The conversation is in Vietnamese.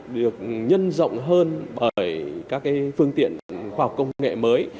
được nhân rộng hơn bởi các phương tiện khoa học công nghệ mới